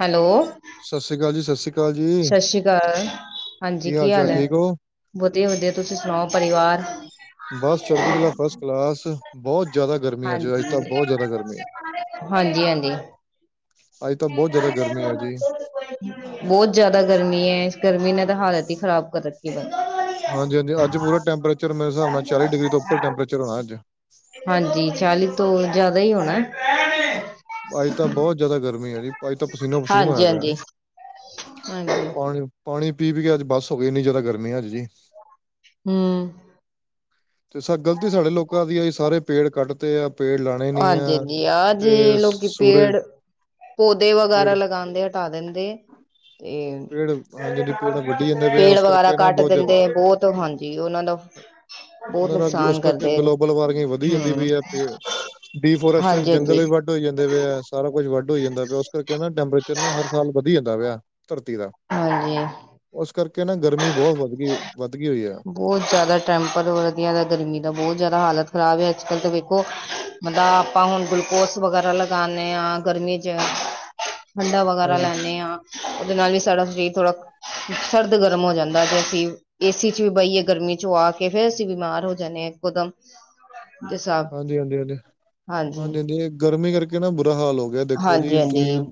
Hello? ਸੱਸੀ ਅਕਾਲ ਜੀ। ਸਿ ਸਤਿ ਸ੍ਰੀ ਅਕਾਲ। ਹਾਂਜੀ, ਕੀ ਚਾਲ ਹਾਲ ਹੈ? ਠੀਕ ਹੋ? ਵਧੀਆ- ਵਧੀਆ, ਤੁਸੀਂ ਸੁਣਾਓ? ਪਰਿਵਾਰ ਬਸ ਚੜ੍ਹਦੀਕਲਾ ਫਸਟ ਕਲਾਸ। ਬਹੁਤ ਜ਼ਿਆਦਾ ਗਰਮੀ ਹੈ। ਅੱਜ ਤਾ ਹਾਂਜੀ ਬਹੁਤ ਜ਼ਿਆਦਾ ਗਰਮੀ ਹੈ। ਹਾਂਜੀ ਹਾਂਜੀ ਅੱਜ ਤਾਂ ਬਹੁਤ ਜਿਆਦਾ ਗਰਮੀ ਆ ਜੀ। ਬਹੁਤ ਜ਼ਿਆਦਾ ਗਰਮੀ ਹੈ, ਇਸ ਗਰਮੀ ਨੇ ਤਾਂ ਹਾਲਤ ਹੀ ਖ਼ਰਾਬ ਕਰ ਰੱਖੀ [unintelligible] ਹਾਂਜੀ-ਹਾਂਜੀ, ਅੱਜ ਪੂਰਾ ਟੈਂਪਰੇਚਰ ਮੇਰੇ ਹਿਸਾਬ ਨਾਲ ਚਾਲੀ ਡਿਗਰੀ ਤੋਂ ਉੱਪਰ ਟੈਂਪਰੇਚਰ ਹੋਣਾ ਅੱਜ। ਹਾਂਜੀ ਚਿਆਲੀ ਤੋਂ ਜ਼ਿਆਦਾ ਹੀ ਹੋਣਾ। ਅੱਜ ਤਾਂ ਬਹੁਤ ਜਿਆਦਾ ਗਰਮੀ ਹੈਗੀ। ਅੱਜ ਤਾਂ ਪਸੀਨੋ-ਪਸੀਨ ਹੋਇਆ ਹਾਂਜੀ ਪਿਐ, ਹਾਂਜੀ ਹਾਂਜੀ ਪਾਣੀ ਪਾਣੀ ਪੀ ਪੀ ਕੇ ਅੱਜ ਬਸ ਹੋ ਗਏ ਇੰਨੀ ਜ਼ਿਆਦਾ ਗਰਮੀ ਆ ਅੱਜ ਜੀ। ਹਮ ਤੇ ਗਲਤੀ ਸਾਡੇ ਲੋਕਾਂ ਦੀ ਆ ਸਾਰੇ ਪੇੜ ਕੱਟ ਤੇ ਆ ਪੇੜ ਲਾ ਹਾਂਜੀ-ਹਾਂਜੀ ਆਹ ਜੇ ਲੋਕੀ ਪੇੜ ਪੌਦੇ ਪੇੜ ਵਗੈਰਾ ਲਗਾਉਦੇ ਹਟਾ ਦਿੰਦੇ ਤੇ, ਪੇੜ ਹਾਂਜੀ ਹਾਂਜੀ ਪੇੜ ਵੱਢੀ ਜਾਂਦੇ ਪਏ ਆ ਪੇੜ ਉਸ ਵਗੈਰਾ ਕਰਕੇ ਨਾ ਕੱਟ ਬਹੁਤ ਜ਼ਿਆਦਾ ਦਿੰਦੇ ਬਹੁਤ ਹਾਂਜੀ ਉਹਨਾਂ ਦਾ ਬਹੁਤ ਉਹਨਾਂ ਦਾ ਉਸ ਨੁਕਸਾਨ ਕਰਕੇ ਕਰਦੇ ਗਲੋਬਲ ਵਾਰਮਿੰਗ ਵਧੀ ਜਾਂਦੀ ਹਮ ਵੀ ਹੈ ਤੇ ਡੀਫੋਰੈਸਟ ਹਾਂਜੀ-ਹਾਂਜੀ, ਜੰਗਲ ਵੱ ਵੱ ਹੋਈ ਜਾਂਦੇ ਪਏ ਆ ਸਾਰਾ ਕੁਛ ਵੱਡ ਹੋ ਜਾਂਦਾ ਪਿਆ ਉਸ ਕਰਕੇ ਨਾ ਟੈਂਪਰੇਚਰ ਨਾ ਹਰ ਸਾਲ ਵਧੀ ਜਾਂਦਾ ਪਿਆ, ਧਰਤੀ ਦਾ। ਹਾਂਜੀ ਉਸ ਕਰਕੇ ਨਾ ਗਰਮੀ ਬਹੁਤ ਵੱਧ ਗਈ, ਵੱਧ ਗਈ ਹੋਈ ਆ। ਬਹੁਤ ਜ਼ਿਆਦਾ ਟੈਂਪਰ ਵਧੀਆ ਦਾ ਗਰਮੀ ਦਾ ਬਹੁਤ ਜ਼ਿਆਦਾ ਹਾਲਤ ਖ਼ਰਾਬ ਹੈ, ਅੱਜ ਕੱਲ ਤਾਂ ਵੇਖੋ ਮਤਲਬ ਆਪਾਂ ਹੁਣ ਗਲੂਕੋਸ ਵਗੈਰਾ ਲਗਾਉਂਦੇ ਹਾਂ। ਗਰਮੀ ਚ ਠੰਡਾ ਵਗੈਰਾ ਹਾਂਜੀ ਲੈਂਦੇ ਹਾਂ, ਉਹਦੇ ਨਾਲ ਵੀ ਸਾਡਾ ਸਰੀਰ ਥੋੜਾ ਕ, ਸਰਦ ਗਰਮ ਹੋ ਜਾਂਦਾ। ਤੇ ਅਸੀਂ, ਏ ਸੀ ਵੀ ਬਹੀਏ ਗਰਮੀ ਚੋਂ ਆ ਕੇ ਫੇਰ ਅਸੀਂ ਬਿਮਾਰ ਹੋ ਜਾਂਦੇ ਹਾਂ ਇੱਕੋਦਮ। ਹਾਂਜੀ-ਹਾਂਜੀ-ਹਾਂਜੀ, ਹਾਂਜੀ, ਹਾਂਜੀ-ਹਾਂਜੀ ਗਰਮੀ ਕਰਕੇ ਨਾ ਬੁਰਾ ਹਾਲ ਹੋ। ਦੇਖੋ ਜੀ ਹਾਂਜੀ-ਹਾਂਜੀ ਤੁਸੀਂ,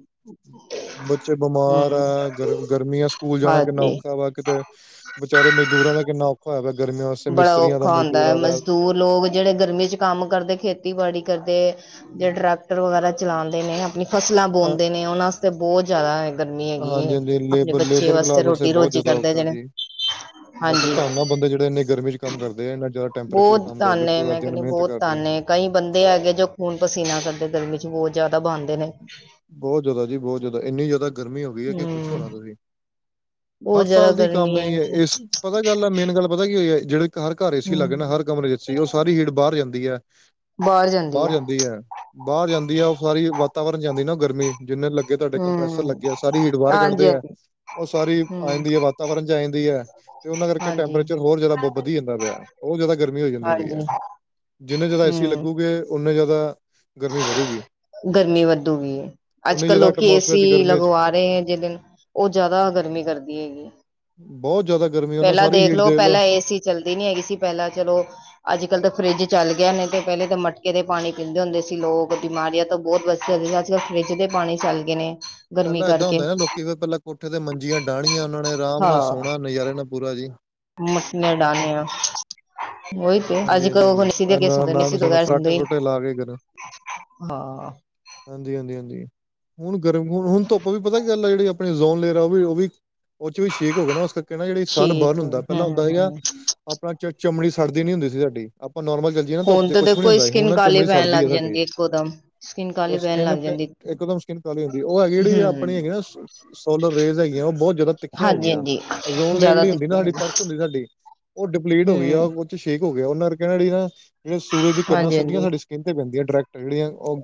ਬੱਚੇ ਬਿਮਾਰ ਹਮ ਹੈ ਗਰਮ-ਗਰਮੀਆਂ ਸਕੂਲ ਸਕੂਲ ਜਾਣਾ ਕਿੰਨਾ ਹਾਂਜੀ। ਔਖਾ ਵਾ ਕਿਤੇ, ਵਿਚਾਰੇ ਮਜ਼ਦੂਰਾਂ ਦਾ ਕਿੰਨਾ ਔਖਾ। ਭਾਵੈ ਗਰਮੀਆਂ ਵਾਸਤੇ ਬੜਾ ਮਿਸਤਰੀਆਂ ਦਾ, ਔਖਾ ਹੁੰਦਾ ਹੈ ਮਜ਼ਦੂਰਾਂ ਦਾ। ਮਜ਼ਦੂਰ ਲੋਕ ਜਿਹੜੇ ਗਰਮੀ ਚ ਕੰਮ ਕਰਦੇ ਖੇਤੀਬਾੜੀ ਕਰਦੇ, ਜਿਹੜੇ ਟਰੈਕਟਰ ਵਗੈਰਾ ਚਲਾਉਂਦੇ ਨੇ। ਫਸਲਾਂ ਬੋਂਦੇ ਨੇ ਉਹਨਾਂ ਵਾਸਤੇ ਬਹੁਤ ਜ਼ਿਆਦਾ ਹੈ। ਗਰਮੀ ਹੈਗੀ ਏ ਹਾਂਜੀ ਹਾਂਜੀ ਆਪਣੇ ਲੇਬਰ ਬੱਚੇ ਲੇਬਰ ਵਾਸਤੇ ਕਲਾਸ ਰੋਟੀ ਬਹੁਤ ਰੋਜ਼ੀ ਜ਼ਿਆਦਾ ਕਰਦੇ ਔਖਾ ਜਿਹੜੇ। ਜੀ ਬਾਕੀ ਧੰਨ ਆ ਬੰਦੇ ਜਿਹੜੇ ਇੰਨੇ ਗਰਮੀ 'ਚ ਹਾਂਜੀ। ਕੰਮ ਕਰਦੇ ਆ ਇੰਨਾ ਜ਼ਿਆਦਾ ਟੈਂਪਰੇਚਰ 'ਚ ਬਹੁਤ ਕੰਮ ਕਰਦੇ ਧੰਨ ਏ ਪੂਰਾ ਮੈਂ ਦਿਨ ਕਹਿੰਦੀ ਮਿਹਨਤ ਬਹੁਤ ਕਰਦੇ ਧੰਨ ਹੈ। ਕਈ ਬੰਦੇ ਹੈਗੇ ਜੋ ਖੂਨ ਪਸੀਨਾ ਕਰਦੇ ਗਰਮੀ ਚ ਬਹੁਤ ਜ਼ਿਆਦਾ ਬਹਾਂਦੇ। ਨੇ ਬਹੁਤ ਜ਼ਿਆਦਾ ਜੀ, ਬਹੁਤ ਜ਼ਿਆਦਾ ਇੰਨੀ ਜ਼ਿਆਦਾ ਗਰਮੀ ਹੋ ਗਈ ਹੈ ਕਿ ਪੁੱਛੋ ਹਮ ਨਾ ਤੁਸੀਂ। ਬਹੁਤ ਹਰ ਜ਼ਿਆਦਾ ਸਾਲ ਦੀ ਕੰਮ ਗਰਮੀ ਇਹ ਹੈ ਇਸ ਪਤਾ ਗੱਲ ਹੈ ਮੇਨ ਗੱਲ ਪਤਾ ਕੀ ਹੋਈ ਹੈ ਜਿਹੜੇ। ਘਰ ਘਰ ਏਸੀ ਹਮ ਲੱਗਣਾ ਹਰ ਕਮਰੇ ਚ ਏ ਸੀ ਉਹ ਸਾਰੀ ਹੀਟ ਬਾਹਰ ਜਾਂਦੀ ਹੈ, ਬਾਹਰ ਜਾਂਦੀ ਹੈ। ਬਾਹਰ ਜਾਂਦੀ ਆ ਉਹ ਸਾਰੀ ਵਾਤਾਵਰਨ ਚ ਜਾਂਦੀ ਨਾ ਗਰਮੀ। ਜਿੰਨੇ ਲੱਗੇ ਤੁਹਾਡੇ ਹਮ ਕੰਪਰੈਸਰ ਲੱਗੇ ਆ ਸਾਰੀ ਹੀਟ ਬਾਹਰ ਹਾਂਜੀ ਹਾਂਜੀ ਕੱਢਦੇ ਆ। ਉਹ ਸਾਰੀ ਆ ਹਮ ਜਾਂਦੀ ਹੈ ਵਾਤਾਵਰਨ ਚ ਆ ਜਾਂਦੀ ਹੈ ਤੇ ਉਹਨਾਂ ਕਰਕੇ ਹਾਂਜੀ ਟੈਂਪਰੇਚਰ ਹੋਰ ਜ਼ਿਆਦਾ ਬਹੁਤ ਵਧੀ ਜਾਂਦਾ ਪਿਆ। ਬਹੁਤ ਜ਼ਿਆਦਾ ਗਰਮੀ ਹੋ ਜਾਂਦੀ ਪਈ ਹੈ, ਹਾਂਜੀ ਜਿੰਨੇ ਜ਼ਿਆਦਾ ਏਸੀ ਹਮ ਲੱਗੂਗੇ। ਉਨੇ ਜ਼ਿਆਦਾ ਗਰਮੀ ਵਧੂਗੀ। ਗਰਮੀ ਵੱਧੂਗੀ, ਉਨੀ ਅੱਜ-ਕੱਲ੍ਹ ਜ਼ਿਆਦਾ ਲੋਕੀ ਐਟਮੋਸਫੇਅਰ ਏਸੀ ਚ ਗਰਮੀਆਂ ਚ ਲਗਵਾ ਰਹੇ ਨੇ। ਜਿਹ ਦਿਨ ਉਹ ਜ਼ਿਆਦਾ ਗਰਮੀ ਕਰਦੀ ਹੈਗੀ। ਬਹੁਤ ਜ਼ਿਆਦਾ ਗਰਮੀ ਉਹਨਾਂ ਪਹਿਲਾਂ ਸਾਰੀ ਹੀਟ ਦੇਖਲੋ, ਦੇਖ ਲਓ ਪਹਿਲਾਂ ਏਸੀ ਚੱਲਦੀ ਨੀ ਹੈਗੀ ਸੀ ਪਹਿਲਾਂ ਚਲੋ। ਅੱਜ-ਕੱਲ੍ਹ ਤਾਂ ਫਰਿੱਜ ਚੱਲ ਗਿਆ ਨਹੀ ਤੇ ਪਹਿਲੇ ਤਾਂ ਮਟਕੇ ਦੇ ਪਾਣੀ ਪੀਂਦੇ ਹੁੰਦੇ ਸੀ। ਲੋਕ ਬਿਮਾਰੀਆਂ ਤੋਂ ਬਹੁਤ ਬਚ ਸੀ ਅੱਜ-ਕੱਲ੍ਹ ਫਰਿੱਜ ਦੇ ਪਾਣੀ ਚੱਲ ਗਏ ਨੇ। ਗਰਮੀ ਪਹਿਲਾਂ ਏਦਾਂ ਕਰਕੇ ਹੁੰਦਾ ਨਾ ਲੋਕੀ ਫ ਪਹਿਲਾਂ ਕੋਠੇ ਤੇ ਮੰਜੀਆਂ ਡਾਹਣੀਆਂ ਉਹ ਨੇ ਆਰਾਮ ਨਾਲ ਸੋਹਣਾ ਨਜ਼ਾਰੇ ਨਾਲ ਪੂਰਾ ਜੀ। ਮੰਜੀਆਂ ਡਾਣੀਆਂ। ਉਹੀ ਤੇ ਹਾਂਜੀ ਅਜ ਕਲ ਹਾਂਜੀ ਉਹ ਹਾਂਜੀ ਨਸ਼ੀਲੇ ਕੇਸ ਹੁੰਦੇ ਹੀ ਨਹੀਂ ਨਾਮ ਸੁਣਾ ਫਰਾਟੇ ਸੀ। ਫਰੂਟੇ ਲਾ ਕੇ ਗਰ ਹਾਂ। ਹਾਂਜੀ ਹਾਂਜੀ ਹਾਂਜੀ। ਹੁਣ ਗਰਮ ਹਣ ਹੁਣ ਧੁੱਪ ਵੀ ਪਤਾ ਕੀ ਗੱਲ ਆ ਜਿਹੜੀ ਆਪਣੀ ਊਜ਼ੋਨ ਲੇਅਰ ਉਹ ਵੀ ਉਹ ਵੀ ਉਹ ਚ ਵੀ ਸ਼ੇਕ ਹੋ ਗਿਆ ਨਾ ਉਸ ਕਰਕੇ। ਕਹਿੰਣਾ ਜਿਹੜੀ ਸਨ ਸ਼ੀਤ ਬਰਨ ਹੁੰਦਾ ਹਮ ਪਹਿਲਾਂ ਹੁੰਦਾ ਸੀਗਾ। ਹਮ ਆਪ ਆਪਣਾ ਚ ਚਮੜੀ ਸੜਦੀ ਨੀ ਹੁੰਦੀ ਸੀ ਸਾਡੀ ਆਪਾਂ ਨੋਰਮਲ ਚੱਲ ਜਿਹਨਾਂ ਧ ਉੱਪ ਹੁਣ ਤੇ ਤਾਂ ਕੁਛ ਵੀ ਨੀ ਦੇਖੋ ਹੁੰਦਾ ਹੁਣ ਸਕਿਨ ਨਾ ਕਾਲੀ ਚਮੜੀ ਪੈਣ ਸੜਦੀ ਲੱਗ ਆ ਸਾਡੇ ਜਾਂਦੀ ਇੱਕੋ ਦਮ ਸਕਿਨ ਹੁਣ ਕਾਲੀ ਪੈਣ ਸਕਿਨ ਲੱਗ ਜਾਂਦੀ ਇੱਕਦਮ ਸਕੀਮ ਕਾਲੀ ਹੁੰਦੀ ਉਹ ਹੈਗੀ ਜਿਹੜੀ ਆਪਣੀ ਹੂੰ, ਹੈਗੀ ਨਾ ਸੋਲਰ ਰੇਜ਼ ਹੈਗੀ ਆ ਉਹ ਬਹੁਤ ਜ਼ਿਆਦਾ ਤਿੱ ਤਿੱਖੀਆਂ ਹੋ ਗਈਆਂ ਹਾਂਜੀ-ਹਾਂਜੀ, ਅ ਜ਼ੋਨ ਲ ਜ਼ਿਆਦਾ ਜਿਹੜੀ ਹੁੰਦੀ ਦਿੱਕਤ ਨਾ ਸਾਡੀ ਪਰਸ ਹੁੰਦੀ ਸਾਡੀ ਉਹ ਡਿਪਲੀਟ ਹੋ ਗਈ ਹੂੰ, ਆ। ਸ਼ੇਕ ਹੋ ਗਿਆ ਉਹਨਾਂ ਕਹਿਣਾ ਨਾ ਜਿਹੜੇ ਸੂਰਜ ਦੀ ਕਿਰਨਾ ਸਧੀਆਂ ਹਾਂਜੀ-ਹਾਂਜੀ, ਸਾਡੀੇ ਸਕਿੰਨ ਤੇ ਪੈਂਦੀਆਂ ਡਾਇੈਕਟ ਜਿਹੜੀਆਂ ਉਹ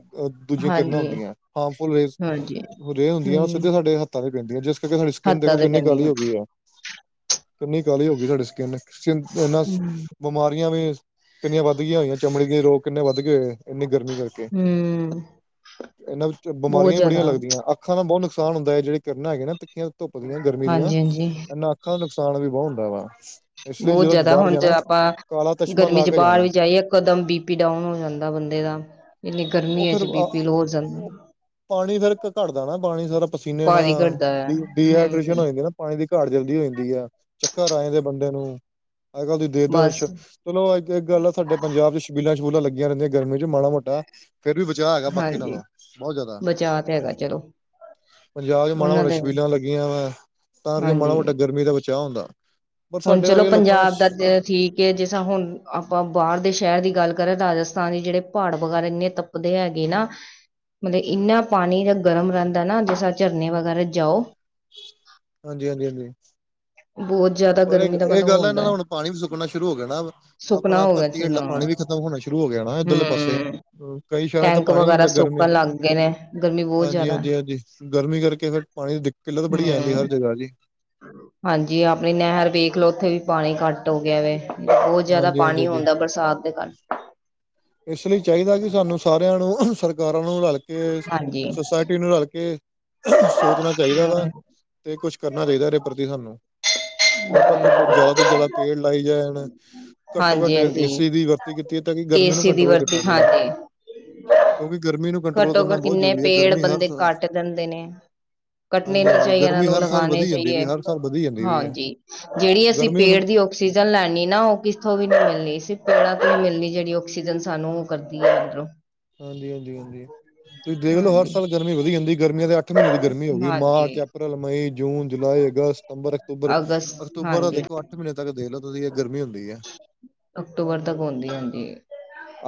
ਦੂਜੀਆਂ ਕਿਰਨਾਂ ਹਾਂਜੀ, ਹੁੰਦੀਆਂ ਹਾਰਮਫੁਲ ਰੇਜ ਹਾਂਜੀ, ਰੇਜ ਹੁੰਦੀਆਂ ਉਹ ਹੂੰ, ਸਿੱਧੇ ਸਾਡੇ ਹੱਥਾਂ ਤੇ ਪੈਂਦੀਆਂ। ਜਿਸ ਕਿਉਂਕ ਸਾਡੀ ਸਕਿੰਨ ਹੱਦਾਂ ਦੇਖੋ ਤੇ ਕਿੰਨੀ ਕਾਹਲੀ ਪੈਂਦੀਆਂ। ਹੋ ਗਈ ਆ ਕਿੰਨੀ ਕਾਹਲੀ ਹੋ ਗਈ ਸਾਡੀ ਸਕਿੰਨ। ਸਕਿਨ ਨਾਂ ਹੂੰ, ਬਿਮਾਰੀਆਂ ਵੀ ਕਿੰਨੀਆਂ ਵੱਧ ਗਈਆਂ ਹੋਈਆਂ ਚਮੜੀ ਦੇ ਰੋਗ ਕਿੰਨੇ ਵੱਧ ਗਏ ਹੋਏ। ਇੰਨੀ ਗਰਮੀ ਕਰਕੇ ਹੂੰ, ਇਹਨਾਂ ਨੂੰ ਤਾਂ ਬਹੁਤ ਬਿਮਾਰੀਆਂ ਵੀ ਬੜੀਆਂ ਜ਼ਿਆਦਾ ਲੱਗਦੀਆਂ। ਅੱਖਾਂ ਦਾ ਬਹੁਤ ਨੁਕਸਾਨ ਹੁੰਦਾ ਹੈ ਜਿਹੜੀ ਕਿਰਨਾ ਹੈਗੇ ਨਾ ਤਿੱੱਖੀਆਂ ਧੁੱਪ ਦੀਆਂ ਗਰਮੀ ਦੀਆਂ ਹਾਂਜੀ-ਹਾਂਜੀ, ਇਹਨਾਂ। ਅੱਖਾਂ ਦਾ ਨੁਕਸਾਨ ਵੀ ਬਹੁਤ ਹੁੰਦਾ ਵਾ। ਇਸ ਲਈ ਬਹੁਤ ਜਦੋਂ ਜਿਆਦਾ ਬਾਹਰ ਹੁਣ ਜੇ ਜਾਣਾ ਆਪਾਂ। ਕਾਲਾ ਚਸ਼ਮਾ ਗਰਮੀ ਲਾ ਚ ਕੇ ਬਾਹਰ ਜਾਣਾ ਵੀ ਜਾਈਏ ਇਕਦਮ ਬੀਪੀ ਡਾਊਨ ਹੋ ਜਾਂਦਾ ਬੰਦੇ ਦਾ। ਇਨੇ ਉਹ ਗਰਮੀਆਂ ਹੈ ਫਿਰ ਜੀ ਬੀ ਪੀ ਲੋ ਹੋ ਜਾਂਦਾ। ਪਾਣੀ ਫਿਰ ਘੱਟਦਾ ਨਾ ਪਾਣੀ ਸਾਰਾ ਪਸੀਨੇ ਭਾਰੀ ਨਾਲ ਘਟਦਾ ਆ ਡੀ ਹੂੰ, ਹਾਈਡੇਸ਼ਨ ਹੋ ਜਾਂਦੀ ਨਾ। ਪਾਣੀ ਦੀ ਘਾਟ ਜਲਦੀ ਹੋ ਜਾਂਦੀ ਆ, ਚੱਕਰ ਆ ਜਾਂਦੈ ਬੰਦੇ ਨੂੰ, ਅੱਜ-ਕੱਲ ਤੁਸੀਂ ਦੇਖਦੇ ਬਸ ਸ਼ਕਤੀ ਚਲੋ ਅੱਜ ਗੱਲ ਸਾਡੇ ਪੰਜਾਬ ਚ ਸ਼ਬੀਲਾਂ-ਸ਼ਬੂਲਾਂ ਲੱਗੀਆਂ ਰਹਿੰਦੀਆਂ ਗਰਮੀ ਚ ਮਾੜਾ-ਮੋਟਾ। ਫੇਰ ਵੀ ਬਚਾਅ ਹੈਗਾ ਬਾਕੀ ਹਾਂਜੀ, ਨਾਲੋਂ, ਬਹੁਤ ਜ਼ਿਆਦਾ। ਬਚਾਅ ਤੇ ਹੈਗਾ ਚਲੋ ਪੰਜਾਬ ਚ ਉਹਨਾਂ ਮਾੜਾ-ਮਾੜਾ ਦੇ ਸ਼ਬੀਲਾਂ ਲੱਗੀਆਂ ਵਾ ਤਾਂ ਕਰਕੇ ਹਾਂਜੀ। ਮਾੜਾ-ਮੋਟਾ ਗਰਮੀ ਦਾ ਬਚਾਅ ਹੁੰਦਾ ਪਰ ਹੁਣ ਸਾਡੇ ਚਲੋ ਵਰਗੇ ਲੋਕਾਂ ਨੂੰ ਪੰਜਾਬ ਦਾ ਠੀਕ ਕਿ ਜਿਸ ਤ੍ਹਾਂ ਹੁਣ ਆਪਾਂ ਬਾਹਰ ਦੇ ਸ਼ਹਿਰ ਦੀ ਗੱਲ ਕਰਾਂ ਰਾਜਸਥਾਨ ਦੀ ਜਿਹੜੇ ਪਹਾੜ ਵਗੈਰਾ ਇੰਨੇ ਤੱਪਦੇ ਹੈਗੇ ਨਾ ਮਤਲਬ ਇੰਨਾ ਪਾਣੀ ਦਾ ਗਰਮ ਰਹਿੰਦਾ ਨਾ ਦਸਾ ਝਰਨੇ ਵਗੈਰਾ ਜਾਓ ਹਾਂਜੀ ਹਾਂਜੀ ਹਾਂਜੀ। ਬਹੁਤ ਜ਼ਿਆਦਾ ਪਰ ਇਹ ਗਰਮੀ ਦਾ ਇਹ ਮਤਲਬ ਗੱਲ ਹੈ ਇਹਨਾਂ ਹੁੰਦਾ ਦਾ ਹੁਣ ਪਾਣੀ ਵੀ ਸੁੱਕਣਾ ਸ਼ੁਰੂ ਹੋ ਗਿਆਣਾ ਸੁੱਕਣਾ ਆਪਣਾ ਹੋ ਗਿਆ ਧਰਤੀ ਹੇਠਲਾ ਸੁਣਾ ਪਾਣੀ ਵੀ ਖ ਖਤਮ ਹੋਣਾ ਸ਼ੁਰੂ ਹੋ ਗਿਆ ਨਾ ਇੱਧਰਲੇ ਪਾਸੇ ਹਮ ਕਈ ਸ਼ਹਿਰਾਂ ਚ ਤਾਂ ਟੈਂਕ ਪਾਣੀ ਨੀ ਵਗੈਰਾ ਜਾਂਦਾ ਗਰਮੀ ਸੁੱਕਣ ਲੱਗ ਗਏ ਨੇ ਗਰਮੀ ਬਹੁਤ ਹਾਂਜੀ ਜ਼ਿਆਦਾ ਹਾਂਜੀ ਹਾਂਜੀ ਗਰਮੀ ਕਰਕੇ ਫਿਰ ਪਾਣੀ ਦੀ ਦਿੱਕਤ ਬੜੀ ਆ ਜਾਂਦੀ ਹਰ ਹਮ ਜਗ੍ਹਾ ਜੀ ਹਾਂਜੀ ਆਪਣੀ ਨਹਿਰ ਵੇਖ ਲੋ ਉੱਥੇ ਵੀ ਪਾਣੀ ਘੱਟ ਹੋ ਗਿਆ ਵੈ ਬਹੁਤ ਜਿਆਦਾ ਹਾਂਜੀ ਹਾਂਜੀ ਪਾਣੀ ਹਾਂਜੀ ਹੁੰਦਾ ਬਰਸਾਤ ਦੇ ਕਾਰਨ ਇਸ ਲਈ ਚਾਹੀਦਾ ਕਿ ਸਾਨੂੰ ਸਾਰਿਆਂ ਨੂੰ ਸਰਕਾਰਾਂ ਨੂੰ ਰਲ ਕੇ ਕੇ ਹਾਂਜੀ ਸੁਸਾਇਟੀ ਨੂੰ ਰਲ ਕੇ ਸੋਚਣਾ ਚਾਹੀਦਾ ਵਾ। ਹਮ ਤੇ ਕੁੱਛ ਕਰਨਾ ਚਾਹੀਦਾ ਇਹਦੇ ਪ੍ਰਤੀ ਸਾਨੂੰ ਕਿ ਆਪਾਂ ਘੱਟੋ ਜ਼ਿਆਦਾ ਤੋਂ ਜਿਆਦਾ ਪੇੜ ਲਾਈ ਜਾਣ ਘੱਟੋ ਘੱਟ ਹਾਂਜੀ ਹਾਂਜੀ ਏਸੀ ਦੀ ਵਰ ਕੀਤੀ ਹੈ ਤਾਂ ਕਿ ਗਰਮੀ ਨੂੰ ਏਸੀ ਦੀ ਕੰਟਰੋਲ ਵਰਤੀ ਕੀਤਾ ਜਾਏ ਹਾਂਜੀ ਕਿਉਂਕਿ ਗਰਮੀ ਨੂੰ ਕੰਟਰੋਲ ਘੱਟੋ ਕਰਨਾ ਘੱਟ ਬਹੁਤ ਕਿੰਨੇ ਜ਼ਰੂਰੀ ਹੈ ਪੇੜ ਗਰਮੀ ਹਰ ਬੰਦੇ ਸਾ ਕੱਟ ਦਿੰਦੇ ਨੇ ਕੱਟਣੇ ਨੀ ਹਾਂਜੀ ਹਾਂਜੀ ਚਾਹੀਏ ਇਹਨਾਂ ਗਰਮੀ ਨੂੰ ਹਰ ਸਾਲ ਲਗਾਉਣੇ ਵਧੀ ਜਾਂਦੀ ਚਾਹੀਏ ਵੀ ਹਰ ਸਾਲ ਵਧੀ ਜਾਂਦੀ ਵੀ ਹੈ ਹਾਂਜੀ ਜਿਹੜੀ ਅਸੀਂ ਗਰਮੀ ਹੁਣ ਪੇਟ ਦੀ ਆਕਸੀਜਨ ਲੈਣੀ ਨਾ ਉਹ ਕਿਥੋਂ ਵੀ ਨੀ ਮਿਲਣੀ ਸਿਰਫ ਪੇੜਾਂ ਤੋਂ ਨਹੀਂ ਮਿਲਣੀ ਜਿਹੜੀ ਆਕਸੀਜਨ ਸਾਨੂੰ ਉਹ ਕਰਦੀ ਹੈ ਅਧਰੋਂ ਹਾਂਜੀ ਹਾਂਜੀ ਹਾਂਜੀ ਤੁਸੀਂ ਦੇਖ ਲਓ ਹਰ ਹਾਂਜੀ ਸਾਲ ਗਰਮੀ ਵਧੀ ਜਾਂਦੀ ਗਰਮੀਆਂ ਦੇ ਅੱਠ ਅੱਠ ਮਹੀਨੇ ਦੀ ਗਰਮੀ ਹੋ ਗਈ ਮਾਰਚ ਹਾਂਜੀ ਅਪ੍ਰੈਲ ਮਈ ਜੂਨ ਜੁਲਾਈ ਅਗਸਤ ਅਕਤੰਬਰ ਅਕਤੂਬਰ ਅਗਸਤ ਅਕਤੂਬਰ ਦਾ ਹਾਂਜੀ ਦੇਖੋ ਅੱਠ ਮਹੀਨੇ ਤੱਕ ਦੇਖ ਲਓ ਹੈ ਗਰਮੀ ਹੁੰਦੀ ਹੈ। ਅਕਤੂਬਰ ਤੱਕ ਆਉਂਦੀ ਹਾਂਜੀ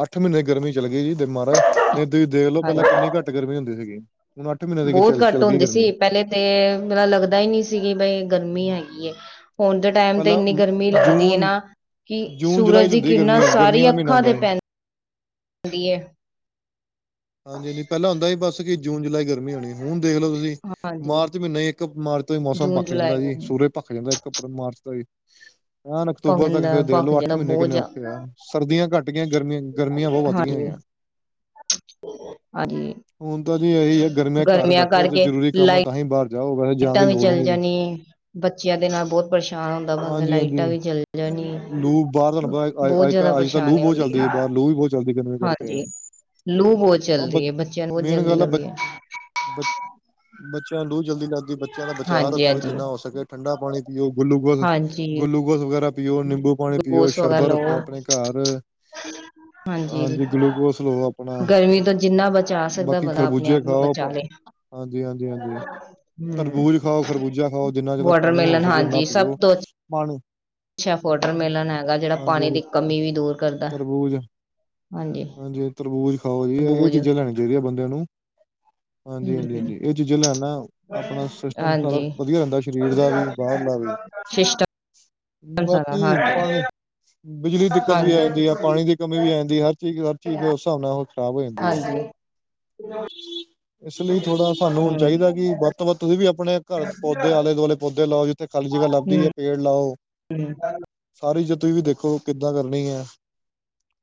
ਅੱਠ ਮਹੀਨੇ ਗਰਮੀ ਚੱਲ ਗਈ ਜੀ ਤੇ ਮਹਾਰਾਜ ਨਹੀਂ ਤੁਸੀਂ ਦੇਖ ਲੋ ਪਹਿਲਾਂ ਹਾਂਜੀ ਕਿੰਨੀ ਘੱਟ ਗਰਮੀ ਹੁੰਦੀ ਸੀਗੀ ਹੁਣ ਅੱਠ ਮਹੀਨੇ ਦੇ ਬਹੁਤ ਚੱਲ ਘੱਟ ਚੱਲ ਗਈ ਹੁੰਦੀ ਗਰਮੀ ਸੀ ਪਹਿਲੇ ਤੇ ਮੇਰਾ ਲੱਗਦਾ ਹੀ ਨਹੀਂ ਸੀਗੀ ਬਈ ਗਰਮੀ ਹੈਗੀ ਹੁਣ ਤੇ ਟਾਈਮ ਤੇ ਪਹਿਲਾਂ ਇੰਨੀ ਅਮ ਗਰਮੀ ਲੱਗਦੀ ਹੈ ਜੂਨ ਨਾ ਕਿ ਜੂਨ ਜੁਲਾਈ ਸੂਰਜ ਚ ਦੀ ਹੁੰਦੀ ਕਿਰਨਾਂ ਗਰਮੀ ਗਰਮੀਆਂ ਸਾਰੀ ਦਾ ਮਹੀਨਾ ਅੱਖਾਂ ਤੇ ਹੁੰਦਾ ਹੈ ਪੈਂਦੀ ਹੈ ਹਾਂਜੀ ਹਾਂਜੀ ਪਹਿਲਾ ਹੁੰਦਾ ਸੀ ਬਸ ਕਿ ਜੂਨ ਜੁਲਾਈ ਗਰਮੀ ਹੋਣੀ ਏ ਹੁਣ ਦੇਖਲੋ ਤੁਸੀਂ, ਹਾਂਜੀ ਮਾਰਚ ਮਹੀਨਾ ਹੀ ਇੱਕ ਮਾਰਚ ਤੋਂ ਹੀ ਮੌਸਮ ਜੂਨ ਪੱਖ ਜੁਲਾਈ ਜਾਂਦਾ ਜੀ ਸੂਰਜ ਭੱਖ ਜਾਂਦੈ ਇੱਕ ਅਪ੍ਰਲ ਮਾਰਚ ਤੋਂ ਈ, ਐਣ ਭਖ ਅਕਤੂਬਰ ਤੱਕ ਜਾਂਦਾ ਫੇਰ ਭਖ ਦੇਖਲੋ ਅੱਠ ਜਾਂਦਾ ਮੀਨੇ ਬਹੁਤ ਕਿੰਨੇ ਜਾ ਔਖੇ ਆ ਸਰਦੀਆਂ ਘੱਟ ਗੀ ਆ, ਗਰਮੀਆਂ ਗਰਮੀਆਂ ਬਹੁਤ ਵੱਧ ਗਈਆਂ ਹੋਈਆਂ [unintelligible] ਹੁਣ ਤਾਂ ਜੀ ਗਰਮੀਆਂ ਕਰਕੇ ਲਾਈ ਤਾਂਹੀ ਬਾਰ ਜਾਓ ਜਾਣ ਈਟਾਂ ਦੀ ਵੀ ਲੋੜ ਚਲੇ ਨਹੀਂ ਜਾਣੀ ਏ, ਬੱਚਿਆਂ ਦੇ ਨਾਲ ਬੌਤ ਪਰੇਸ਼ਾਨ ਹੁੰਦਾ ਬੰਦਾ ਹਾਂਜੀ ਲਾਈਟਾਂ ਹਾਂਜੀ ਵੀ ਚਲ ਜਾਣੀ ਲੂ ਬਾਹਰ ਤੁਹਾਨੂੰ ਪਤਾ ਬਹੁਤ ਅੱਜ ਜ਼ਯਾਦਾ ਅੱਜ ਤਾਂ ਲੂ ਪਰੇਸ਼ਾਨੀ ਬਹੁਤ ਹੁੰਦੀ ਏ ਚੱਲਦੀ ਹੈ ਬਾਹਰ ਲੂ ਵੀ ਬਹੁਤ ਚੱਲਦੀ ਗਰਮੀ ਕਰਕੇ ਹਾਂ ਹਾਂਜੀ ਲੂ ਬੌਤ ਚੱਲਦੀ ਏ, ਬੱਚਿਆਂ ਨੂੰ ਆ ਜਲਦੀ ਲਭੀ ਆ ਬੱਚ ਬੱਚਿਆਂ ਨੂੰ ਲੂਹ ਜਲਦੀ ਲੱਗੀ ਬੱਚਿਆਂ ਦਾ ਬਚਾਅ ਰੱਖੋ, ਹਾਂਜੀ-ਹਾਂਜੀ, ਹਾਂਜੀ ਜਿਨਾ ਹੋ ਸਕੇ ਠੰਡਾ ਪਾਣੀ ਪਿਔ, ਗੁੱਲੂਕੋਸ ਹਾਂਜੀ ਗੁੱਲੂਗੋਸ ਵਗੈਰਾ, ਪੀਓ, ਨਿੰਬੂ-ਪਾਣੀ ਪੀਓ, ਗਲੂਕੋਸ ਵਗੈਰਾ ਸ਼ਰਬਰ ਲਵੋ ਰੱਖੋ ਆਪਣੇ ਘਰ ਹਾਂਜੀ, ਗਲੂਕੋਸ ਲੋ ਅਪਣਾ ਗਰਮੀ ਤੋਂ ਜਿੰਨਾ ਬਚਾ ਸਕਦਾ ਬਾਕੀ ਬੰਦਾ ਆਪਣੇ ਖਰਬੂਜੇ ਆਪ ਨੂੰ ਖਾਓ, ਅਪ ਬਚਾ ਲੇ ਹਾਜੀ, ਹਾਂਜੀ, ਹਾਂਜੀ। ਹੂੰ। ਤਰਬੂਜ ਖਾਓ ਖਰਬੂਜਾ ਖਾਓ, ਜਿੰਨਾ ਜ਼ਯਾਦਾ ਪਾਣੀ ਹੋ ਵਾਟਰਮੇਲਨ ਸਕੇ ਓਨਾ ਪੀਓ ਪਾਣੀ ਛਾ ਫੋਟਰ ਮੇਲਨ ਹੈਗਾ ਜਿਹੜਾ ਹਾਂਜੀ ਪਾਣੀ ਦੀ ਹਾਂਜੀ ਕਮੀ ਵੀ ਦੂਰ ਕਰਦਾ ਤਰਬੂਜ ਹਾਂਜੀ ਤਰਬੂਜ ਖਾਓ ਜੀ ਇਹ ਤਰਬੂਜ ਚੀਜ਼ਾਂ ਲੈਣੀਆਂ ਚਾਹੀਦੀਆਂ ਬੰਦਿਆਂ ਨੂੰ ਹਾਂਜੀ ਹਾਂਜੀ ਹੂੰ ਹਾਂਜੀ ਇਹ ਚੀਜ਼ਾਂ ਲਿਆਉਨ ਨਾਲ ਆਪਣਾ ਸਿਸਟਮ ਸਾਰਾ ਹਾਂਜੀ ਵਧੀਆ ਰਹਿੰਦਾ ਸਰੀਰ ਦਾ ਵੀ ਬਾਹਰਲਾ ਵੀ [unintelligible] ਸਾਰਾ ਬਾਕੀ ਹਾਂਜੀ, ਪਾਣੀ ਬਿਜਲੀ ਦਿੱਕਤ ਵੀ ਆ ਜਾਂਦੀ ਆ ਪਾਣੀ ਦੀ ਕਮੀ ਵੀ ਆ ਜਾਂਦੀ ਐ, ਹਰ ਚੀਜ਼ ਹਰ ਚੀਜ਼ ਫਿਰ ਓਸ ਸਾਬ ਨਾਲ ਖਰਾਬ ਹੋ ਜਾਂਦੀ ਐ, ਹਾਂਜੀ-ਹਾਂਜੀ ਇਸ ਲਈ ਥੋੜਾ ਸਾਨੂੰ ਹੁਣ ਹੂੰ-ਹੂੰ, ਚਾਹੀਦਾ ਕਿ ਵਾ ਇਸ ਤੋ ਬਾਅਦ ਤੁਸੀ ਵੀ ਅਪਣੇ ਘਰ ਪੌਦੇ ਆਲੇ-ਦੁਆਲੇ ਪੌਦੇ ਲਾਓ। ਜਿੱਥੇ ਖਾਲੀ ਜਗਾ ਲਭਦੀ ਐ ਪੇੜ ਲਾਓ। ਹੂੰ। [inaudible] ਸਾਰੀ ਜਿਹੀ ਤੁਸੀ ਵੀ ਦੇਖੋ ਕਿੱਦਾਂ ਕਰਨੀ ਐ,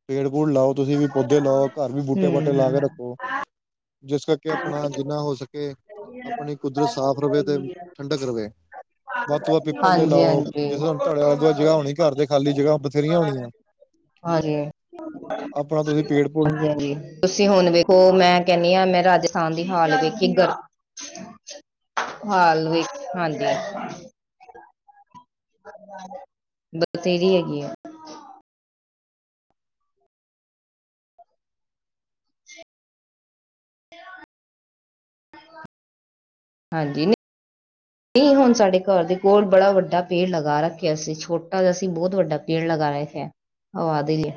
ਪੇੜ-ਪੂੜ ਲਾਓ। ਤੁਸੀਂ ਵੀ ਪੌਦੇ ਲਾਓ, ਘਰ ਵੀ ਬੂਟੇ-ਬਾਟੇ ਲਾ ਕੇ ਰੱਖੋ। ਜਿਸ ਕਰਕੇ ਅਪਣਾ ਜਿੰਨਾ ਹੋ ਸਕੇ ਅਪਣੀ ਕੁਦਰਤ ਸਾਫ਼ ਰਹੇ ਤੇ ਠੰਡਕ ਰਹੇ। ਵੱਧ ਤੋਂ ਵੱਧ ਪਿੱਪਲ ਦੇ ਲਾਓ, ਹਾਂਜੀ-ਹਾਂਜੀ, ਜਿਸਤਰਾ ਹਾਂਜੀ। ਤੁਹਾਡੇ ਆਲੇ ਦੁਆਲੇ ਜਗ੍ਹਾ ਹੋਣੀ ਘਰ ਦੇ ਖਾਲੀ ਜਗ੍ਹਾ ਬਥੇਰੀਆਂ ਹੋਣੀਆਂ। ਹਾਂਜੀ, ਆਪਣਾ ਤੁਸੀਂ ਪੇੜ ਪੂੜ ਹਾਂਜੀ-ਹਾਂਜੀ। ਤੁਸੀਂ ਹੁਣ ਵੇਖੋ ਮੈਂ ਕਹਿੰਦੀ ਆਂ ਮੈਂ ਰਾਜਸਥਾਨ ਦੀ ਹਾਲ ਵੇਖੀ, ਗਰਮੀ ਹਾਲ ਵੇਖ ਹਾਂਜੀ। ਬਸ ਤੇਰੀ ਹੈਗੀ ਆ। ਹਾਂਜੀ ਇਹ ਹੁਣ ਸਾਡੇ ਘਰ ਦੇ ਕੋਲ ਬੜਾ ਵੱਡਾ ਪੇੜ ਲਗਾ ਰੱਖਿਆ ਸੀਂ। ਛੋਟਾ ਜਾ ਸੀ ਬਹੁਤ ਵੱਡਾ ਪੇੜ ਲਗਾਉਣੇ ਸੇ, ਔ ਆ ਦੇਈ ਏ।